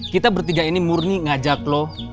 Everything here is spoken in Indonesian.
kita bertiga ini murni ngajak loh